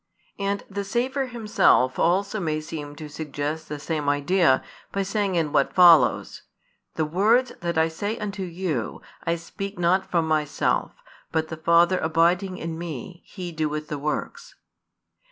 And the Saviour Himself also may seem to suggest the same idea, by saying in what follows: The words that I say unto you, I speak not from Myself: but the Father abiding in Me, He doeth the works.